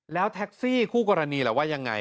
แล้วแท็กซี่คู่กรณีล่ะว่ายังไง